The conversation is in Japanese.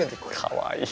かわいい。